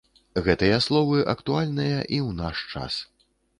Гэтыя словы актуальныя і ў наш час.